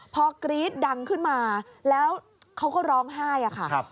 พอกรี๊ดดังขึ้นมาแล้วเขาก็ร้องไห้อะค่ะ